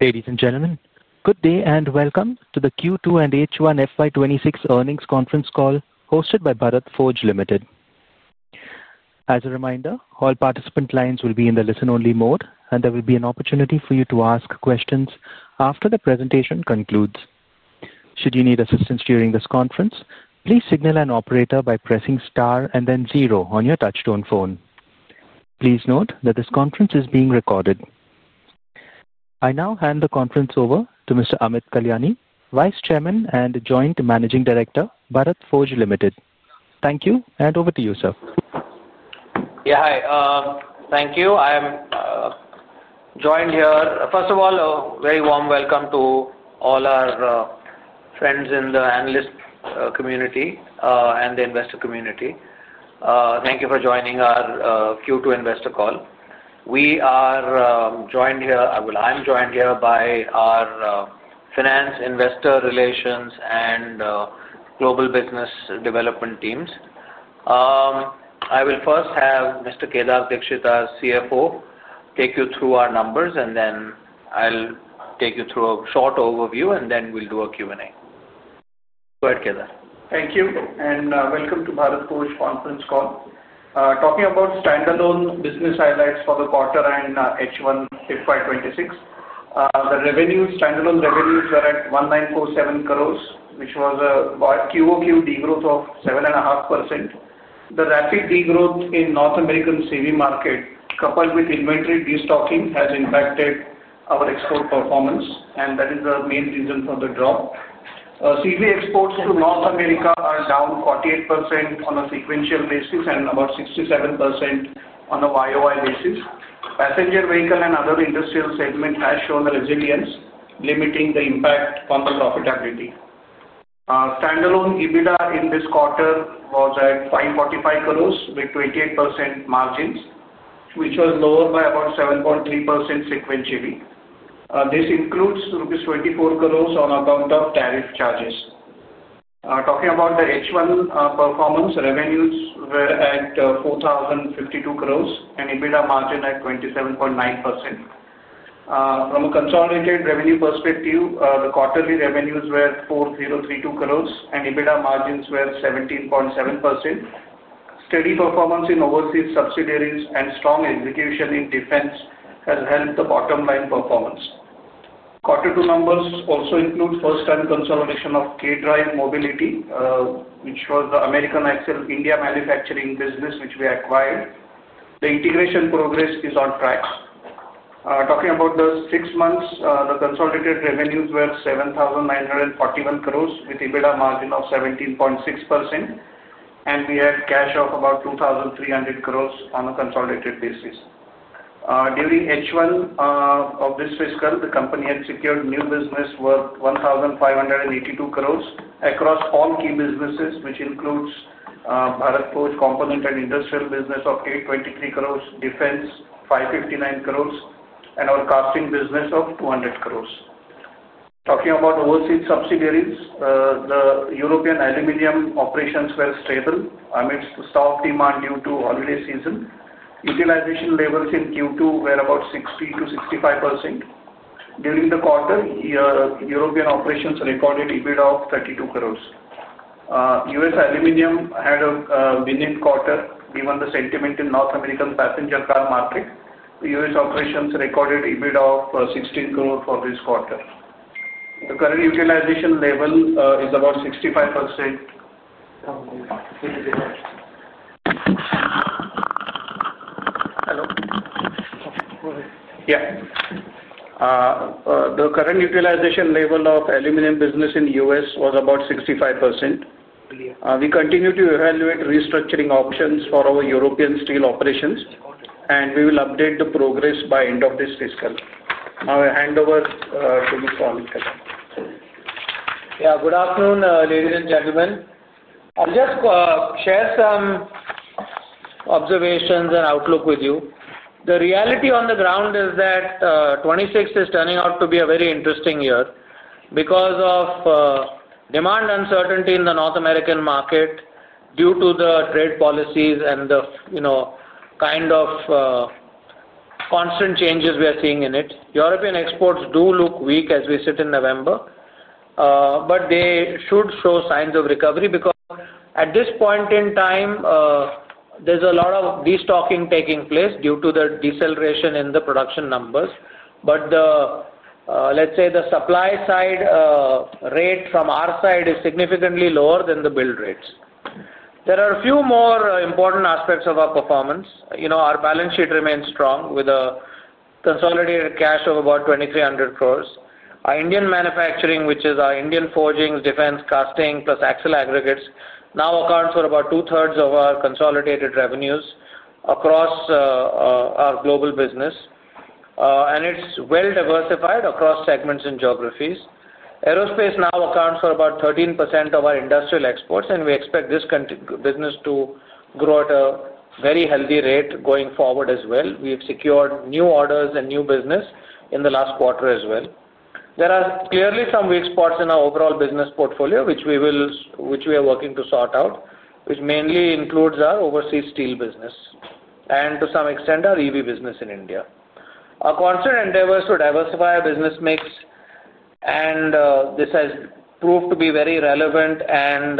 Ladies and gentlemen, good day and welcome to the Q2 and H1FY 2026 Earnings Conference Call Hosted by Bharat Forge Limited. As a reminder, all participant lines will be in the listen-only mode, and there will be an opportunity for you to ask questions after the presentation concludes. Should you need assistance during this conference, please signal an operator by pressing star and then zero on your touchstone phone. Please note that this conference is being recorded. I now hand the conference over to Mr. Amit Kalyani, Vice Chairman and Joint Managing Director, Bharat Forge Limited. Thank you, and over to you, sir. Yeah, hi. Thank you. I'm joined here. First of all, a very warm welcome to all our friends in the analyst community and the investor community. Thank you for joining our Q2 investor call. We are joined here, I'm joined here by our finance, investor relations, and global business development teams. I will first have Mr. Kedar Dixit, our CFO, take you through our numbers, and then I'll take you through a short overview, and then we'll do a Q&A. Go ahead, Kedar. Thank you, and welcome to Bharat Forge conference call. Talking about standalone business highlights for the quarter and H1FY 2026, the standalone revenues were at 1,947 crore, which was a quarter-over-quarter degrowth of 7.5%. The rapid degrowth in North American CV market, coupled with inventory restocking, has impacted our export performance, and that is the main reason for the drop. CV exports to North America are down 48% on a sequential basis and about 67% on a year-over-year basis. Passenger vehicle and other industrial segment has shown resilience, limiting the impact on the profitability. Standalone EBITDA in this quarter was at 545 crore with 28% margins, which was lower by about 7.3% sequentially. This includes rupees 24 crore on account of tariff charges. Talking about the H1 performance, revenues were at 4,052 crore and EBITDA margin at 27.9%. From a consolidated revenue perspective, the quarterly revenues were 4,032 crores and EBITDA margins were 17.7%. Steady performance in overseas subsidiaries and strong execution in defense has helped the bottom-line performance. Quarter two numbers also include first-time consolidation of KDrive Mobility, which was the American Axle India manufacturing business which we acquired. The integration progress is on track. Talking about the six months, the consolidated revenues were 7,941 crores with EBITDA margin of 17.6%, and we had cash of about 2,300 crores on a consolidated basis. During H1 of this fiscal, the company had secured new business worth 1,582 crores across all key businesses, which includes Bharat Forge component and industrial business of 823 crores, defense 559 crores, and our casting business of 200 crores. Talking about overseas subsidiaries, the European aluminum operations were stable amidst the stock demand due to holiday season. Utilization levels in Q2 were about 60%-65. During the quarter, European operations recorded EBITDA of 32 crore. US aluminum had a winning quarter given the sentiment in the North American passenger car market. The US operations recorded EBITDA of 16 crore for this quarter. The current utilization level is about 65%. Hello? Yeah. The current utilization level of aluminum business in the US was about 65%. We continue to evaluate restructuring options for our European steel operations, and we will update the progress by the end of this fiscal. Now, I hand over to the call. Yeah, good afternoon, ladies and gentlemen. I'll just share some observations and outlook with you. The reality on the ground is that 2026 is turning out to be a very interesting year because of demand uncertainty in the North American market due to the trade policies and the kind of constant changes we are seeing in it. European exports do look weak as we sit in November, but they should show signs of recovery because at this point in time, there's a lot of destocking taking place due to the deceleration in the production numbers. Let's say the supply side rate from our side is significantly lower than the build rates. There are a few more important aspects of our performance. Our balance sheet remains strong with a consolidated cash of about 2,300 crore. Our Indian manufacturing, which is our Indian forging, defense, casting, plus axle aggregates, now accounts for about two-thirds of our consolidated revenues across our global business, and it is well diversified across segments and geographies. Aerospace now accounts for about 13% of our industrial exports, and we expect this business to grow at a very healthy rate going forward as well. We have secured new orders and new business in the last quarter as well. There are clearly some weak spots in our overall business portfolio, which we are working to sort out, which mainly includes our overseas steel business and, to some extent, our EV business in India. Our concern endeavors to diversify our business mix, and this has proved to be very relevant and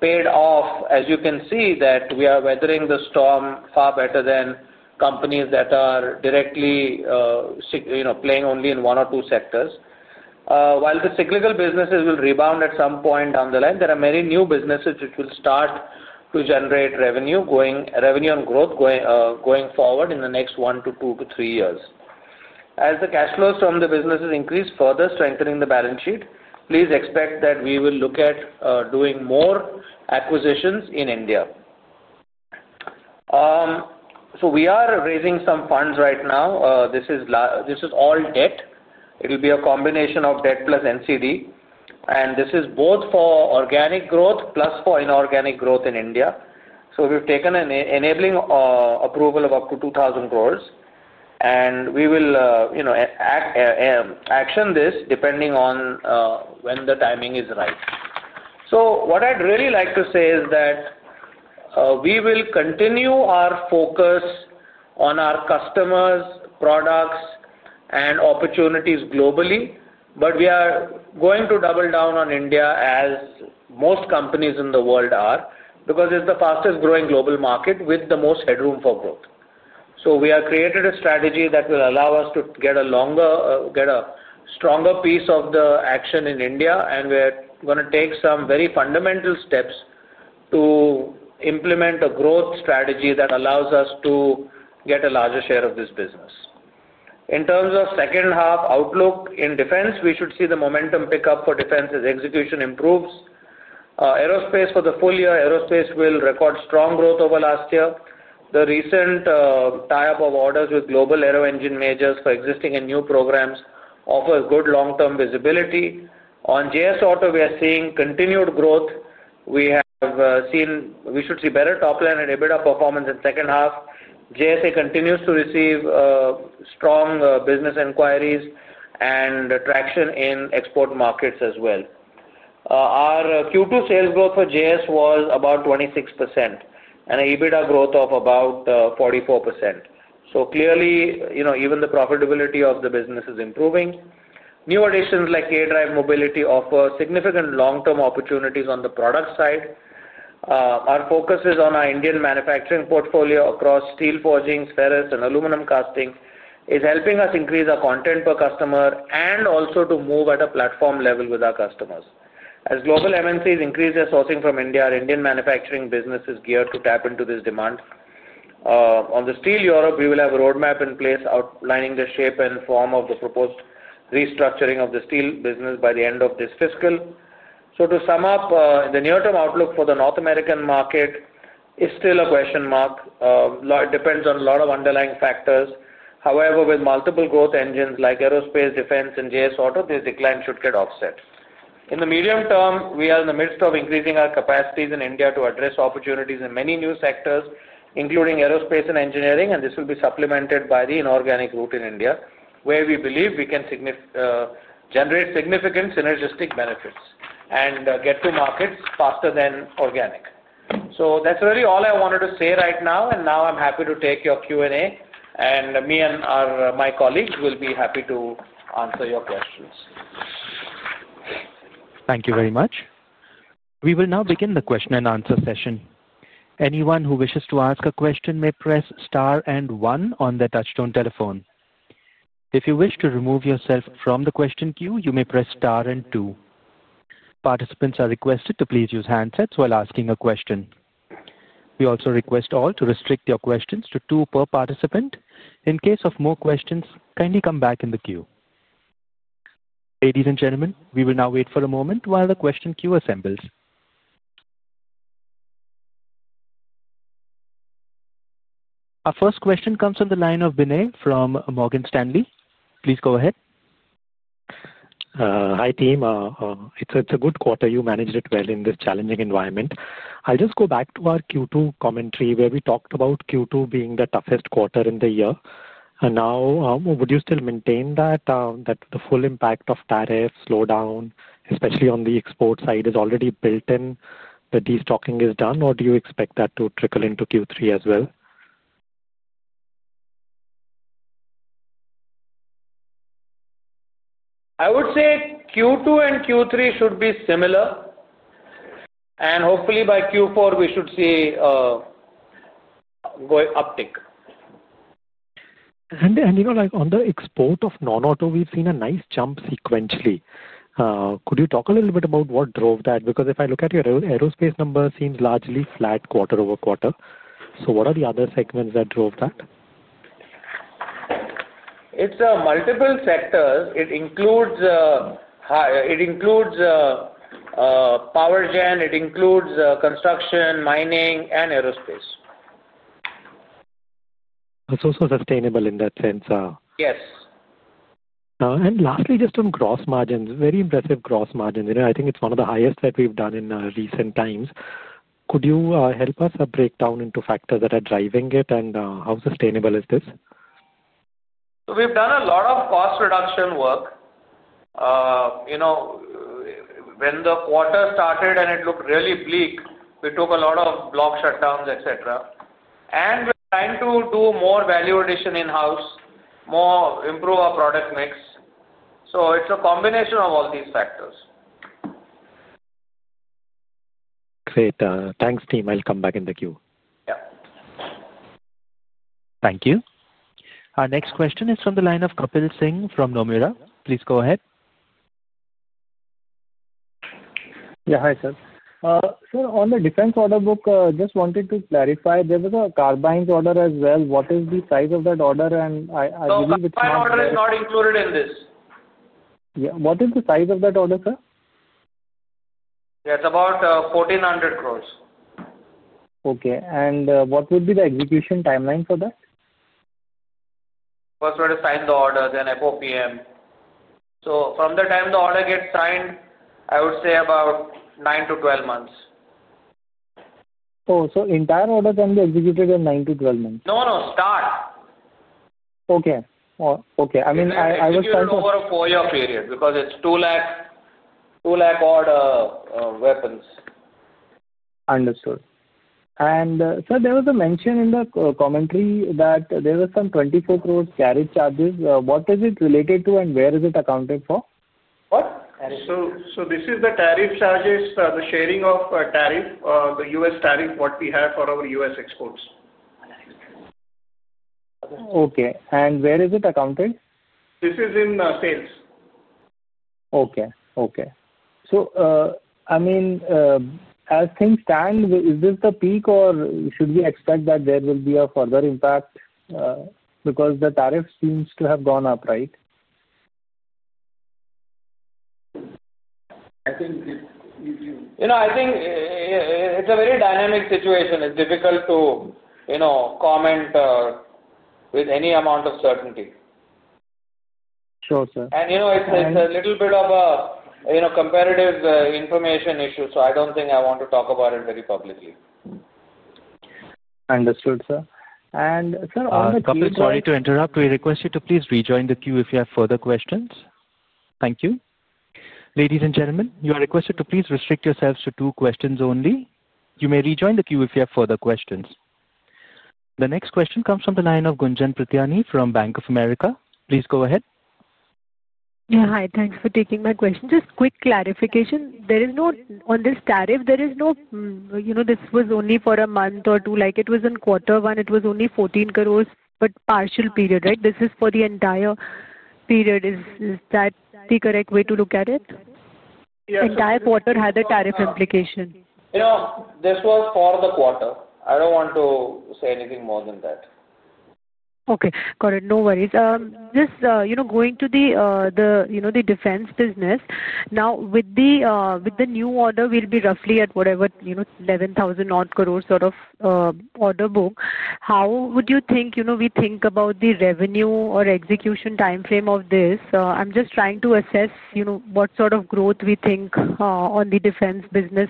paid off, as you can see, that we are weathering the storm far better than companies that are directly playing only in one or two sectors. While the cyclical businesses will rebound at some point down the line, there are many new businesses which will start to generate revenue and growth going forward in the next one to two to three years. As the cash flows from the businesses increase further, strengthening the balance sheet, please expect that we will look at doing more acquisitions in India. We are raising some funds right now. This is all debt. It will be a combination of debt plus NCD, and this is both for organic growth plus for inorganic growth in India. We've taken an enabling approval of up to 2,000 crores, and we will action this depending on when the timing is right. What I'd really like to say is that we will continue our focus on our customers, products, and opportunities globally, but we are going to double down on India as most companies in the world are because it's the fastest-growing global market with the most headroom for growth. We have created a strategy that will allow us to get a stronger piece of the action in India, and we're going to take some very fundamental steps to implement a growth strategy that allows us to get a larger share of this business. In terms of second-half outlook in defense, we should see the momentum pick up for defense as execution improves. Aerospace for the full year, aerospace will record strong growth over last year. The recent tie-up of orders with global aero engine majors for existing and new programs offers good long-term visibility. On JS Auto, we are seeing continued growth. We should see better top-line and EBITDA performance in second half. JS continues to receive strong business inquiries and traction in export markets as well. Our Q2 sales growth for JS was about 26% and EBITDA growth of about 44%. Clearly, even the profitability of the business is improving. New additions like KDrive Mobility offer significant long-term opportunities on the product side. Our focus is on our Indian manufacturing portfolio across steel forging, ferrous, and aluminum casting is helping us increase our content per customer and also to move at a platform level with our customers. As global MNCs increase their sourcing from India, our Indian manufacturing business is geared to tap into this demand. On the steel Europe, we will have a roadmap in place outlining the shape and form of the proposed restructuring of the steel business by the end of this fiscal. To sum up, the near-term outlook for the North American market is still a question mark. It depends on a lot of underlying factors. However, with multiple growth engines like aerospace, defense, and JS Auto, this decline should get offset. In the medium term, we are in the midst of increasing our capacities in India to address opportunities in many new sectors, including aerospace and engineering, and this will be supplemented by the inorganic route in India, where we believe we can generate significant synergistic benefits and get to markets faster than organic. That's really all I wanted to say right now, and now I'm happy to take your Q&A, and me and my colleagues will be happy to answer your questions. Thank you very much. We will now begin the question and answer session. Anyone who wishes to ask a question may press star and one on the touchstone telephone. If you wish to remove yourself from the question queue, you may press star and two. Participants are requested to please use handsets while asking a question. We also request all to restrict your questions to two per participant. In case of more questions, kindly come back in the queue. Ladies and gentlemen, we will now wait for a moment while the question queue assembles. Our first question comes from the line of Binay from Morgan Stanley. Please go ahead. Hi team. It's a good quarter. You managed it well in this challenging environment. I'll just go back to our Q2 commentary where we talked about Q2 being the toughest quarter in the year. Now, would you still maintain that the full impact of tariff slowdown, especially on the export side, is already built in, that destocking is done, or do you expect that to trickle into Q3 as well? I would say Q2 and Q3 should be similar, and hopefully by Q4, we should see an uptick. On the export of non-auto, we've seen a nice jump sequentially. Could you talk a little bit about what drove that? Because if I look at your aerospace numbers, it seems largely flat quarter-over-quarter. What are the other segments that drove that? It's multiple sectors. It includes power gen. It includes construction, mining, and aerospace. Sustainable in that sense. Yes. Lastly, just on gross margins, very impressive gross margins. I think it is one of the highest that we have done in recent times. Could you help us break down into factors that are driving it, and how sustainable is this? We have done a lot of cost reduction work. When the quarter started and it looked really bleak, we took a lot of block shutdowns, etc. We are trying to do more value addition in-house, improve our product mix. It is a combination of all these factors. Great. Thanks, team. I'll come back in the queue. Thank you. Our next question is from the line of Kapil Singh from Nomura. Please go ahead. Yeah, hi sir. Sir, on the defense order book, I just wanted to clarify. There was a carbine order as well. What is the size of that order? I believe it's not. Carbine order is not included in this. Yeah. What is the size of that order, sir? Yeah, it's about 1,400 crore. Okay. What would be the execution timeline for that? First, we're to sign the order, then FOPM. From the time the order gets signed, I would say about 9-12 months. Oh, so the entire order can be executed in 9-12 months? No, no. Start. Okay. Okay. I mean, I was trying to. It's usually over a four-year period because it's 2 lakh order weapons. Understood. Sir, there was a mention in the commentary that there were some 24 crore tariff charges. What is it related to, and where is it accounted for? What? This is the tariff charges, the sharing of tariff, the US tariff, what we have for our US exports. Okay. Where is it accounted? This is in sales. Okay. Okay. So I mean, as things stand, is this the peak, or should we expect that there will be a further impact because the tariff seems to have gone up, right? I think it's a very dynamic situation. It's difficult to comment with any amount of certainty. Sure, sir. It's a little bit of a comparative information issue, so I don't think I want to talk about it very publicly. Understood, sir. And sir, on the. Kapil, sorry to interrupt. We request you to please rejoin the queue if you have further questions. Thank you. Ladies and gentlemen, you are requested to please restrict yourselves to two questions only. You may rejoin the queue if you have further questions. The next question comes from the line of Gunjan Prithyani from Bank of America. Please go ahead. Yeah, hi. Thanks for taking my question. Just quick clarification. On this tariff, there is no, this was only for a month or two. It was in quarter one. It was only 14 crore, but partial period, right? This is for the entire period. Is that the correct way to look at it? Entire quarter had a tariff implication. This was for the quarter. I don't want to say anything more than that. Okay. Got it. No worries. Just going to the defense business. Now, with the new order, we will be roughly at, whatever, 11,000-odd crores sort of order book. How would you think we think about the revenue or execution timeframe of this? I am just trying to assess what sort of growth we think on the defense business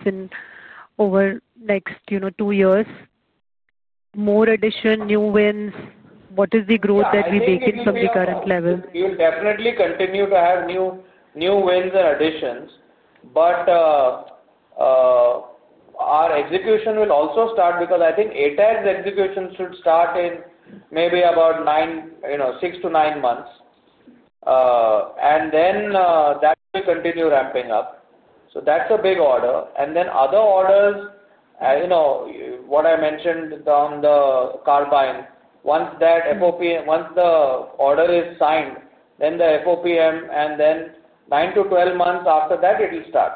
over the next two years. More addition, new wins? What is the growth that we make it from the current level? We will definitely continue to have new wins and additions, but our execution will also start because I think ATEX execution should start in maybe about six to nine months, and then that will continue ramping up. That is a big order. Other orders, what I mentioned on the carbine, once the order is signed, then the FOPM, and then nine to twelve months after that, it will start.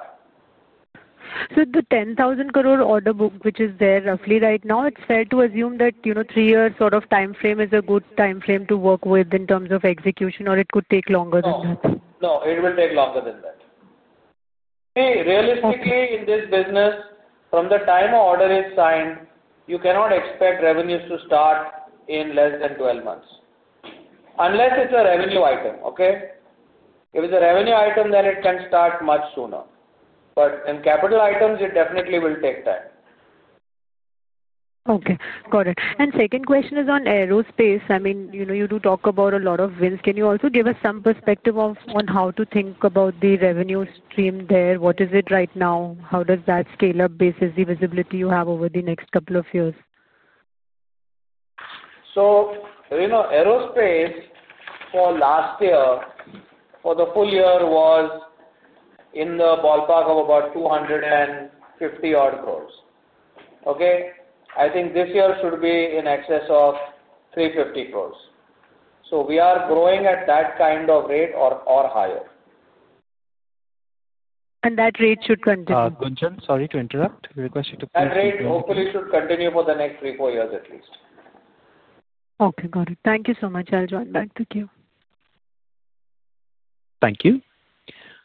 The 10,000 crore order book, which is there roughly right now, it's fair to assume that three-year sort of timeframe is a good timeframe to work with in terms of execution, or it could take longer than that? No. It will take longer than that. Realistically, in this business, from the time an order is signed, you cannot expect revenues to start in less than 12 months unless it's a revenue item, okay? If it's a revenue item, then it can start much sooner. In capital items, it definitely will take time. Okay. Got it. Second question is on aerospace. I mean, you do talk about a lot of wins. Can you also give us some perspective on how to think about the revenue stream there? What is it right now? How does that scale up based on the visibility you have over the next couple of years? Aerospace for last year, for the full year, was in the ballpark of about 250 crore. Okay? I think this year should be in excess of 350 crore. We are growing at that kind of rate or higher. That rate should continue. Gunjan, sorry to interrupt. We request you to please. That rate hopefully should continue for the next three, four years at least. Okay. Got it. Thank you so much. I'll join back the queue. Thank you.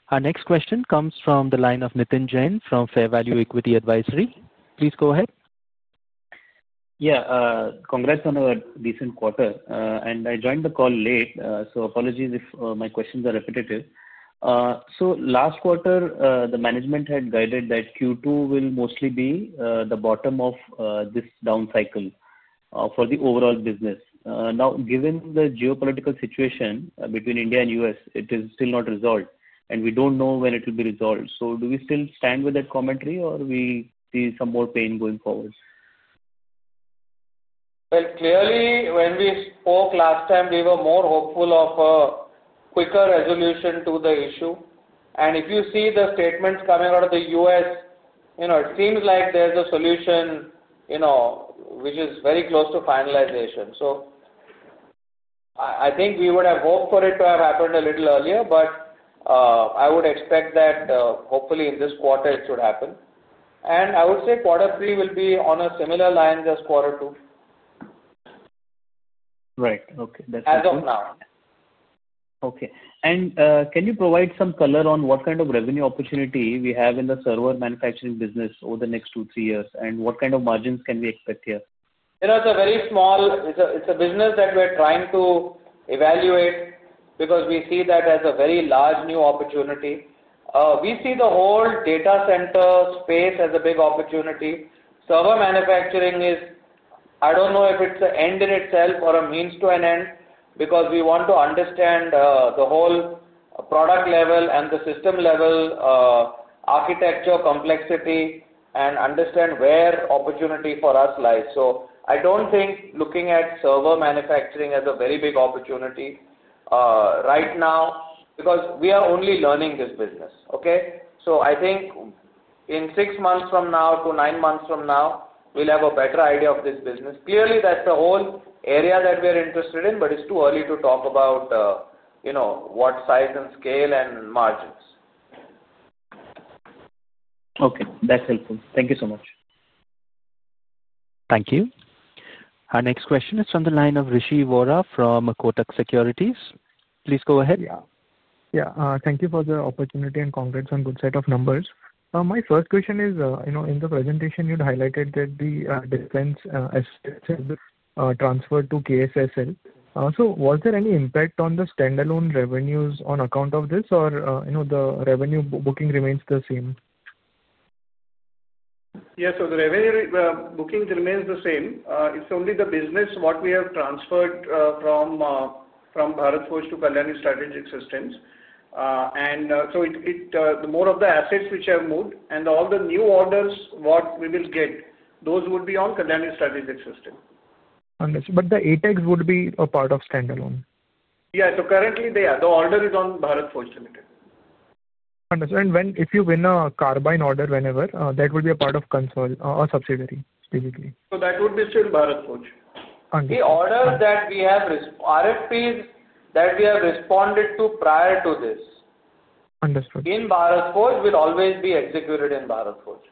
Our next question comes from the line of Nitin Jain from Fair Value Equity Advisory. Please go ahead. Yeah. Congrats on a decent quarter. I joined the call late, so apologies if my questions are repetitive. Last quarter, the management had guided that Q2 will mostly be the bottom of this down cycle for the overall business. Now, given the geopolitical situation between India and the US, it is still not resolved, and we do not know when it will be resolved. Do we still stand with that commentary, or will we see some more pain going forward? Clearly, when we spoke last time, we were more hopeful of a quicker resolution to the issue. If you see the statements coming out of the US, it seems like there is a solution which is very close to finalization. I think we would have hoped for it to have happened a little earlier, but I would expect that hopefully in this quarter, it should happen. I would say quarter three will be on a similar line as quarter two. Right. Okay. That's good. As of now. Okay. Can you provide some color on what kind of revenue opportunity we have in the server manufacturing business over the next two, three years, and what kind of margins can we expect here? It's a very small, it's a business that we're trying to evaluate because we see that as a very large new opportunity. We see the whole data center space as a big opportunity. Server manufacturing is, I don't know if it's an end in itself or a means to an end because we want to understand the whole product level and the system level architecture complexity and understand where opportunity for us lies. I don't think looking at server manufacturing as a very big opportunity right now because we are only learning this business, okay? I think in six months from now to nine months from now, we'll have a better idea of this business. Clearly, that's the whole area that we're interested in, but it's too early to talk about what size and scale and margins. Okay. That's helpful. Thank you so much. Thank you. Our next question is from the line of Rishi Vora from Kotak Securities. Please go ahead. Yeah. Yeah. Thank you for the opportunity and congrats on a good set of numbers. My first question is, in the presentation, you'd highlighted that the defense assets transferred to KSS. So was there any impact on the standalone revenues on account of this, or the revenue booking remains the same? Yes. The revenue booking remains the same. It's only the business that we have transferred from Bharat Forge to Kalyani Strategic Systems. More of the assets have moved and all the new orders that we will get, those would be on Kalyani Strategic Systems. Understood. But the ATEX would be a part of standalone? Yeah. So currently, the order is on Bharat Forge Limited. Understood. If you win a carbine order whenever, that would be a part of a subsidiary, basically. That would be still Bharat Forge. The orders that we have RFPs that we have responded to prior to this. Understood. In Bharat Forge, will always be executed in Bharat Forge.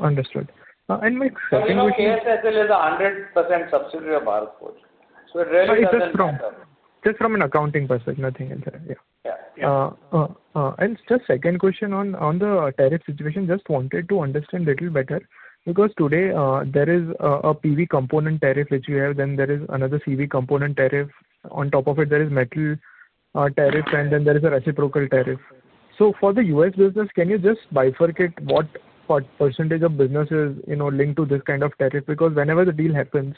Understood. My second question. Strategic Systems is a 100% subsidiary of Bharat Forge. It really doesn't matter. Just from an accounting perspective, nothing else. Yeah. Just second question on the tariff situation, just wanted to understand a little better because today, there is a PV component tariff which we have. Then there is another CV component tariff. On top of it, there is metal tariff, and then there is a reciprocal tariff. For the US business, can you just bifurcate what percentage of business is linked to this kind of tariff? Because whenever the deal happens,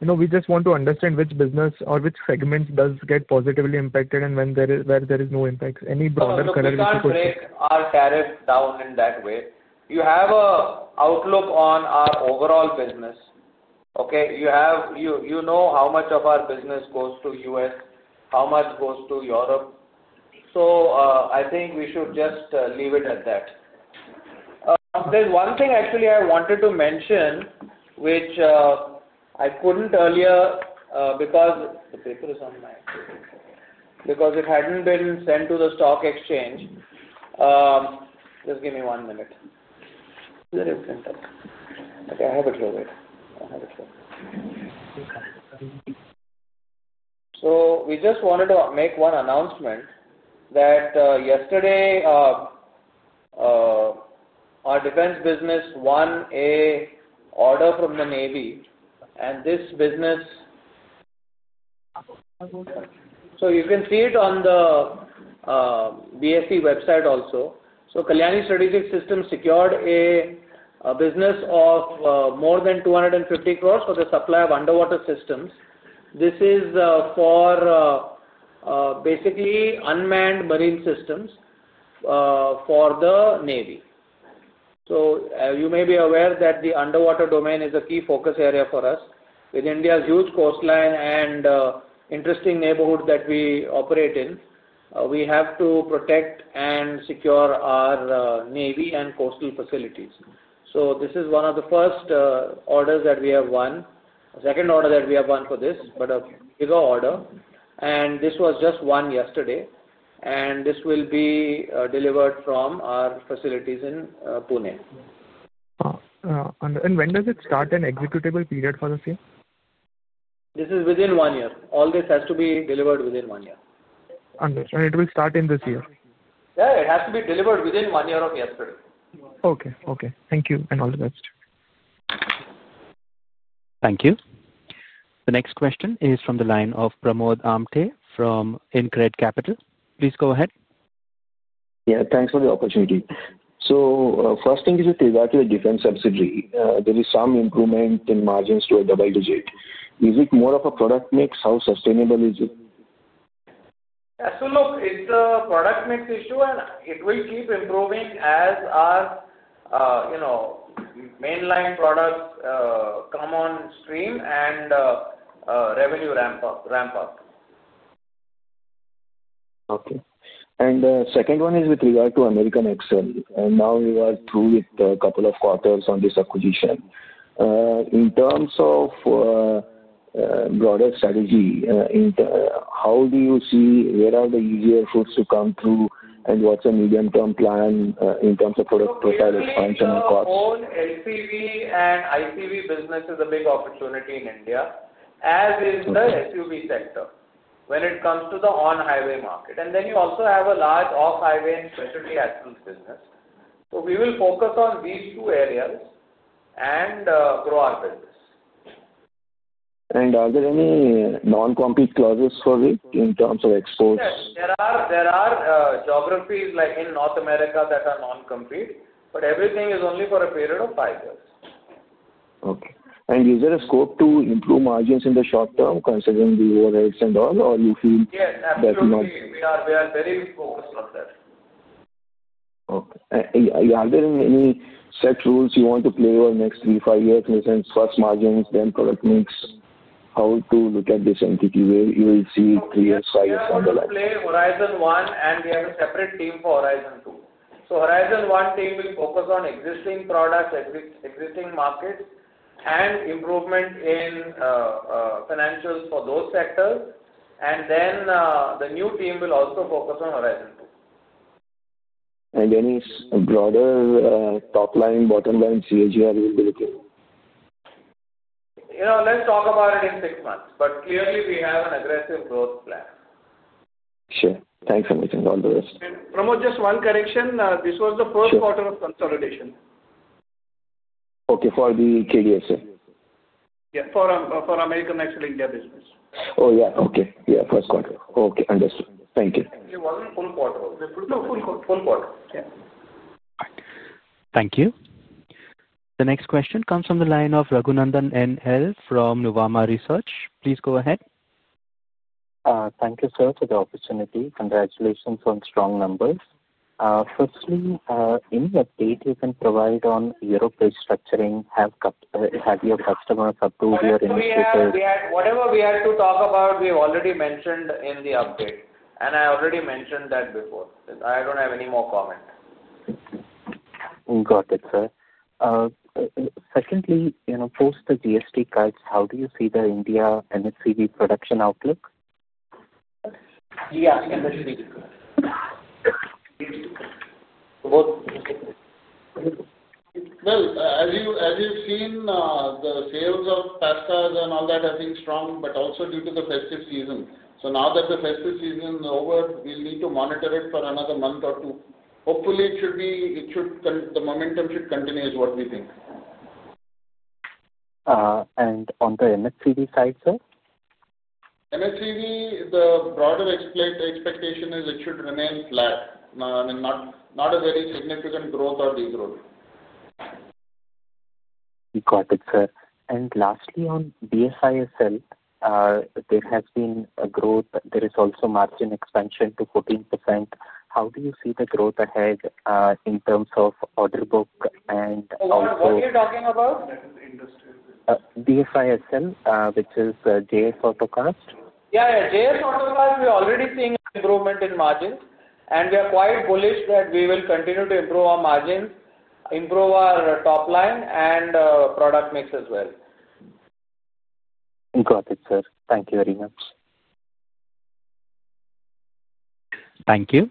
we just want to understand which business or which segments does get positively impacted and where there is no impact. Any broader color that you could. If you break our tariff down in that way, you have an outlook on our overall business, okay? You know how much of our business goes to the US, how much goes to Europe. I think we should just leave it at that. There's one thing, actually, I wanted to mention, which I couldn't earlier because the paper is on my—because it hadn't been sent to the stock exchange. Just give me one minute. Where is it? Okay. I have it here. I have it here. We just wanted to make one announcement that yesterday, our defense business won an order from the Navy, and this business—you can see it on the BSE website also. Kalyani Strategic Systems secured a business of more than 250 crore for the supply of underwater systems. This is for basically unmanned marine systems for the Navy. You may be aware that the underwater domain is a key focus area for us. With India's huge coastline and interesting neighborhood that we operate in, we have to protect and secure our Navy and coastal facilities. This is one of the first orders that we have won, a second order that we have won for this, but a bigger order. This was just won yesterday, and this will be delivered from our facilities in Pune. When does it start, an executable period for the same? This is within one year. All this has to be delivered within one year. Understood. It will start in this year? Yeah. It has to be delivered within one year of yesterday. Okay. Okay. Thank you and all the best. Thank you. The next question is from the line of Pramod Amte from InCred Capital. Please go ahead. Yeah. Thanks for the opportunity. So first thing is, if we go to the defense subsidiary, there is some improvement in margins to a double digit. Is it more of a product mix? How sustainable is it? Yeah. Look, it's a product mix issue, and it will keep improving as our mainline products come on stream and revenue ramp up. Okay. The second one is with regard to American Axle. Now we were through with a couple of quarters on this acquisition. In terms of broader strategy, how do you see where are the easier routes to come through, and what is the medium-term plan in terms of product profile expansion and costs? The whole LCV and ICV business is a big opportunity in India, as is the SUV sector when it comes to the on-highway market. You also have a large off-highway and specialty assets business. We will focus on these two areas and grow our business. Are there any non-compete clauses for it in terms of exports? There are geographies like in North America that are non-compete, but everything is only for a period of five years. Okay. Is there a scope to improve margins in the short term, considering the overheads and all, or you feel that not? Yes. Absolutely. We are very focused on that. Okay. Are there any set rules you want to play over the next three, five years? For example, first margins, then product mix, how to look at this entity where you will see three years, five years on the line? We will play Horizon One, and we have a separate team for Horizon Two. Horizon One team will focus on existing products, existing markets, and improvement in financials for those sectors. The new team will also focus on Horizon Two. Any broader top line, bottom line, CAGR you'll be looking at? Let's talk about it in six months, but clearly, we have an aggressive growth plan. Sure. Thanks for making all the rest. Pramod, just one correction. This was the first quarter of consolidation. Okay. For the KDrive Mobility? Yeah. For American Axle India business. Oh, yeah. Okay. Yeah. First quarter. Okay. Understood. Thank you. It wasn't full quarter. It was full quarter. Yeah. All right. Thank you. The next question comes from the line of Raghunandan NL from Nuvama Research. Please go ahead. Thank you, sir, for the opportunity. Congratulations on strong numbers. Firstly, any update you can provide on your upgrade structuring? Have your customers approved your initiative? Whatever we had to talk about, we've already mentioned in the update. I already mentioned that before. I don't have any more comment. Got it, sir. Secondly, post the GST cuts, how do you see the India MHCV production outlook? Yeah. Industry. As you've seen, the sales of PVs and all that have been strong, but also due to the festive season. Now that the festive season is over, we'll need to monitor it for another month or two. Hopefully, it should be—the momentum should continue, is what we think. On the MHCV side, sir? MHCV, the broader expectation is it should remain flat. I mean, not a very significant growth or degrowth. Got it, sir. Lastly, on JS Autocast, there has been a growth. There is also margin expansion to 14%. How do you see the growth ahead in terms of order book and also? What are you talking about? BSISL, which is JS Autocast. Yeah. JS Autocast, we're already seeing improvement in margins, and we are quite bullish that we will continue to improve our margins, improve our top line, and product mix as well. Got it, sir. Thank you very much. Thank you.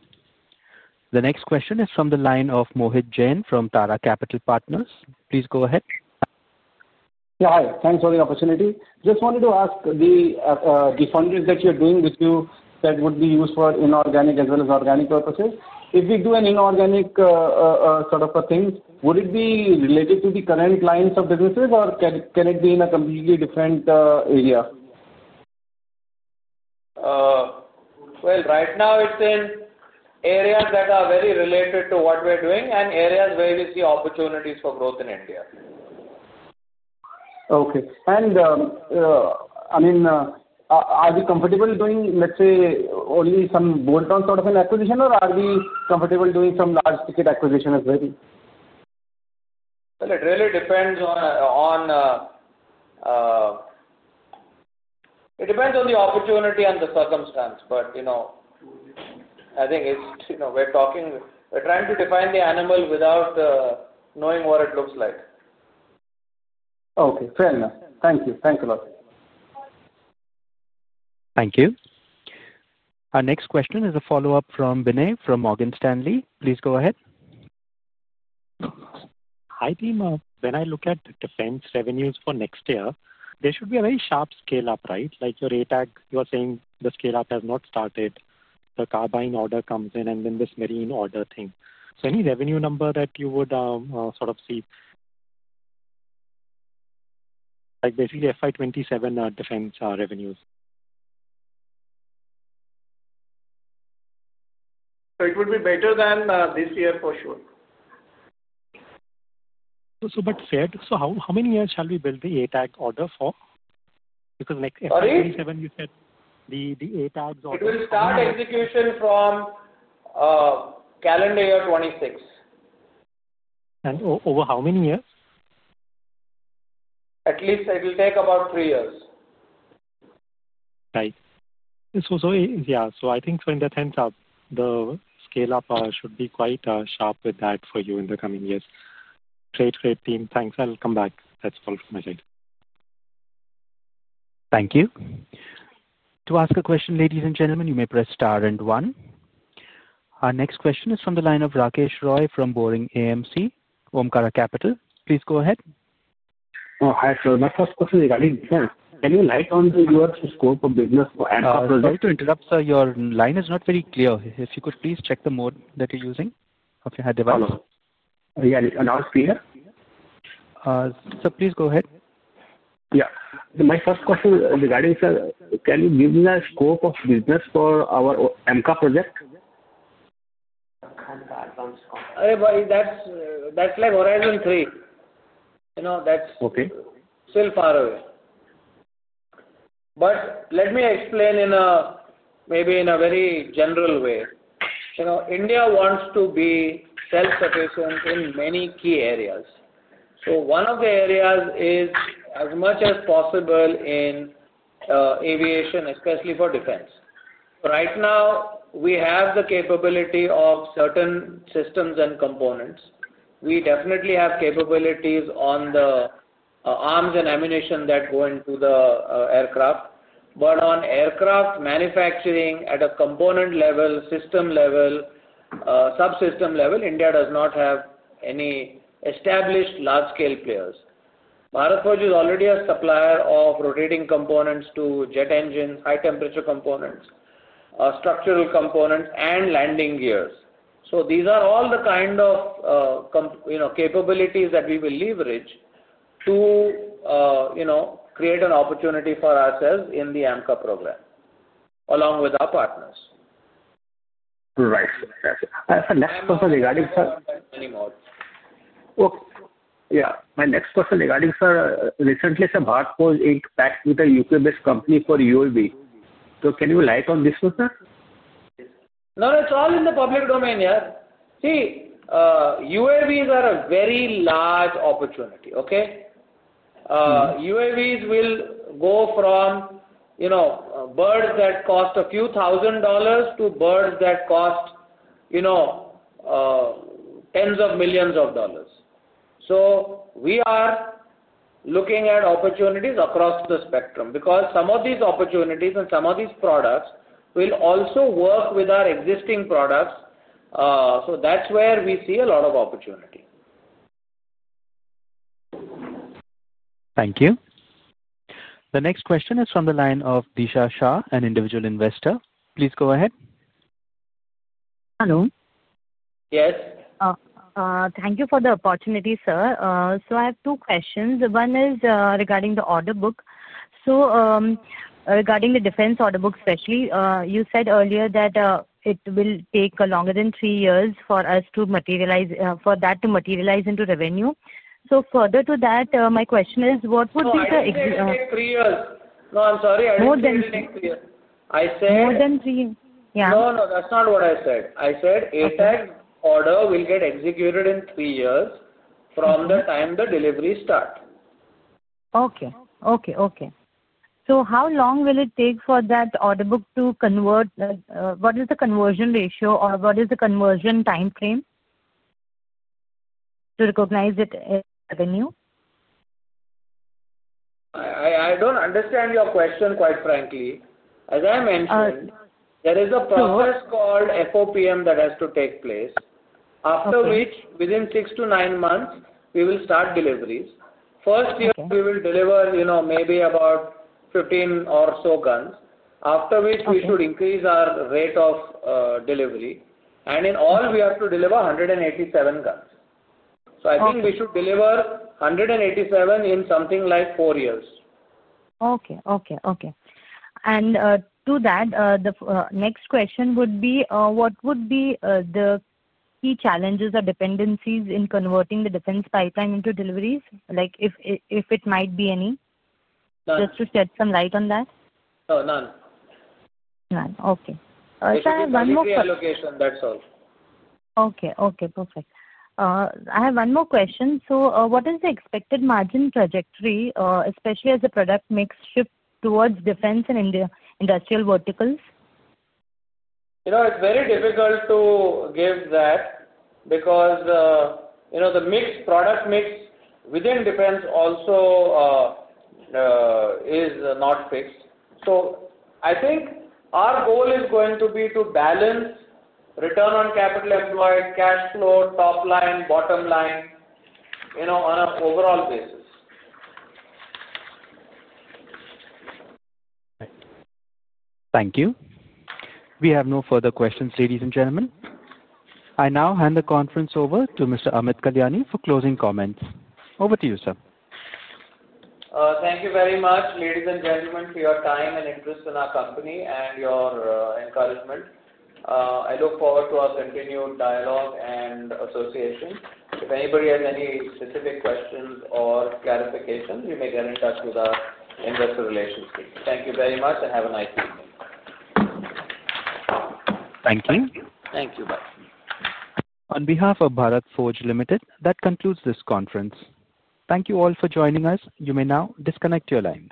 The next question is from the line of Mohit Jain from Tara Capital Partners. Please go ahead. Yeah. Hi. Thanks for the opportunity. Just wanted to ask the fundraise that you're doing with you that would be used for inorganic as well as organic purposes. If we do an inorganic sort of a thing, would it be related to the current lines of businesses, or can it be in a completely different area? Right now, it's in areas that are very related to what we're doing and areas where we see opportunities for growth in India. Okay. I mean, are we comfortable doing, let's say, only some bolt-on sort of an acquisition, or are we comfortable doing some large ticket acquisition as well? It really depends on—it depends on the opportunity and the circumstance. I think we're trying to define the animal without knowing what it looks like. Okay. Fair enough. Thank you. Thank you a lot. Thank you. Our next question is a follow-up from Binay from Morgan Stanley. Please go ahead. Hi, team. When I look at defense revenues for next year, there should be a very sharp scale-up, right? Like your ATEX, you are saying the scale-up has not started. The carbine order comes in, and then this marine order thing. Any revenue number that you would sort of see? Like basically fiscal year 2027 defense revenues. It would be better than this year for sure. How many years shall we build the ATEX order for? Because next fiscal year 2027, you said the ATEX order. It will start execution from calendar year 2026. Over how many years? At least it will take about three years. Right. Yeah. I think when that ends up, the scale-up should be quite sharp with that for you in the coming years. Great, great, team. Thanks. I'll come back. That's all from my side. Thank you. To ask a question, ladies and gentlemen, you may press star and one. Our next question is from the line of Rakesh Roy from Boring AMC, Omkara Capital. Please go ahead. Hi, sir. My first question is regarding defense. Can you shed light on the US scope of business for the ATEX project? Sorry to interrupt, sir. Your line is not very clear. If you could please check the mode that you're using of your device. Yeah. Now it's clear? Please go ahead. Yeah. My first question regarding, sir, can you give me a scope of business for our AMCA project? That's like Horizon Three. That's still far away. Let me explain maybe in a very general way. India wants to be self-sufficient in many key areas. One of the areas is as much as possible in aviation, especially for defense. Right now, we have the capability of certain systems and components. We definitely have capabilities on the arms and ammunition that go into the aircraft. On aircraft manufacturing at a component level, system level, subsystem level, India does not have any established large-scale players. Bharat Forge is already a supplier of rotating components to jet engines, high-temperature components, structural components, and landing gears. These are all the kind of capabilities that we will leverage to create an opportunity for ourselves in the AMCA program along with our partners. Right. Next question regarding, sir. Okay. Yeah. My next question regarding, sir, recently, Bharat Forge inked back with a UK based company for UAV. So can you light on this one, sir? No, it's all in the public domain, yeah. See, UAVs are a very large opportunity, okay? UAVs will go from birds that cost a few thousand dollars to birds that cost tens of millions of dollars. We are looking at opportunities across the spectrum because some of these opportunities and some of these products will also work with our existing products. That is where we see a lot of opportunity. Thank you. The next question is from the line of Disha Shah, an individual investor. Please go ahead. Hello. Thank you for the opportunity, sir. I have two questions. One is regarding the order book. Regarding the defense order book especially, you said earlier that it will take longer than three years for that to materialize into revenue. Further to that, my question is, what would be the? It will take three years. No, I'm sorry. I didn't say three years. More than three? Yeah. No, no. That's not what I said. I said ATEX order will get executed in three years from the time the delivery starts. Okay. Okay. Okay. How long will it take for that order book to convert? What is the conversion ratio or what is the conversion time frame to recognize it as revenue? I don't understand your question, quite frankly. As I mentioned, there is a process called FOPM that has to take place, after which, within six to nine months, we will start deliveries. First year, we will deliver maybe about 15 or so guns. After which, we should increase our rate of delivery. In all, we have to deliver 187 guns. I think we should deliver 187 in something like four years. Okay. Okay. Okay. To that, the next question would be, what would be the key challenges or dependencies in converting the defense pipeline into deliveries? If it might be any, just to shed some light on that. No. None. None. Okay. So I have one more question. It's in the same location. That's all. Okay. Okay. Perfect. I have one more question. What is the expected margin trajectory, especially as the product mix shifts towards defense and industrial verticals? It's very difficult to give that because the product mix within defense also is not fixed. I think our goal is going to be to balance return on capital employed, cash flow, top line, bottom line on an overall basis. Thank you. We have no further questions, ladies and gentlemen. I now hand the conference over to Mr. Amit Kalyani for closing comments. Over to you, sir. Thank you very much, ladies and gentlemen, for your time and interest in our company and your encouragement. I look forward to our continued dialogue and association. If anybody has any specific questions or clarifications, you may get in touch with our investor relations team. Thank you very much, and have a nice evening. Thank you. On behalf of Bharat Forge Limited, that concludes this conference. Thank you all for joining us. You may now disconnect your lines.